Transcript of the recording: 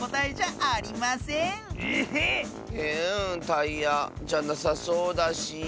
タイヤじゃなさそうだし。